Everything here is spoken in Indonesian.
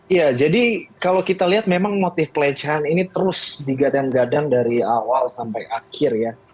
iya jadi kalau kita lihat memang motif pelecehan ini terus digadang gadang dari awal sampai akhir ya